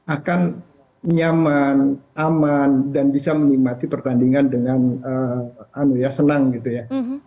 akan nyaman aman dan bisa menikmati pertandingan dengan senang gitu ya